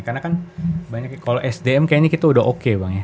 karena kan banyak kalau sdm kayaknya kita udah oke bang ya